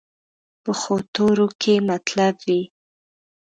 پخو تورو کې مطلب وي